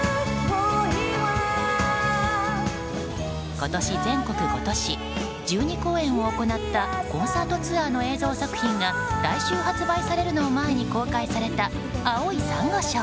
今年、全国５都市１２公演を行ったコンサートツアーの映像作品が来週発売されるのを前に公開された、「青い珊瑚礁」。